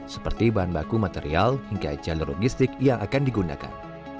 seperti bahan baku material hingga jalur logistik yang akan digunakan